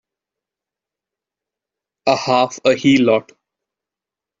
A half a heelot!